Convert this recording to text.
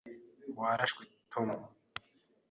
Warashwe, Tom.